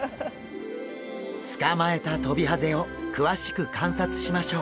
捕まえたトビハゼを詳しく観察しましょう。